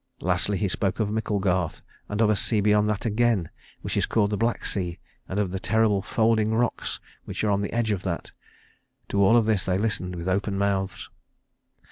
Lastly he spoke of Micklegarth and of a sea beyond that again, which is called the Black Sea, and of the terrible folding rocks which are on the edge of that. To all of this they listened with open mouths.